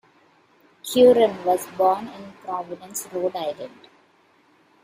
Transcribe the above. Curran was born in Providence, Rhode Island.